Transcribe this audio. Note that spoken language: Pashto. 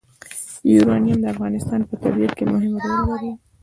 یورانیم د افغانستان په طبیعت کې مهم رول لري.